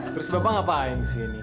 terus bapak ngapain disini